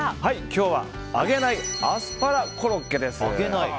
今日は揚げないアスパラコロッケです。